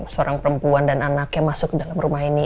seorang perempuan dan anak yang masuk ke dalam rumah ini